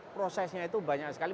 prosesnya itu banyak sekali